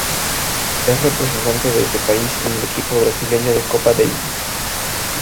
Es representante de ese país en el Equipo brasileño de Copa Davis.